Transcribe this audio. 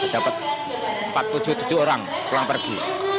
dapet empat puluh tujuh empat puluh tujuh orang pulang pergi